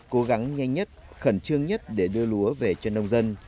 cố gắng nhanh nhất khẩn trương nhất để đưa lúa về cho nông dân